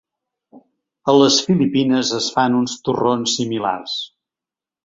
A les Filipines es fan uns torrons similars.